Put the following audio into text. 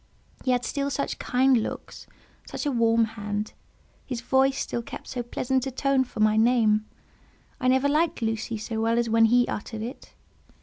He had still such kind looks, such a warm hand; his voice still kept so pleasant a tone for my name; I never liked "Lucy" so well as when he uttered it.